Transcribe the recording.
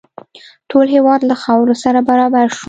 ټول هېواد له خاورو سره برابر شو.